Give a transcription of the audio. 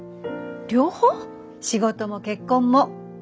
仕事も結婚も。